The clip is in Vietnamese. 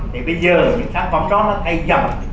thì bây giờ những sản phẩm đó nó thay dòng